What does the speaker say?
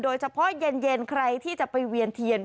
โดยเฉพาะเย็นใครที่จะไปเวียนเทียน